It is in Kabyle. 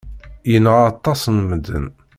Yenɣa aṭas n medden.